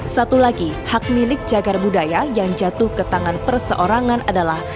satu lagi hak milik cagar budaya yang jatuh ke tangan perseorangan adalah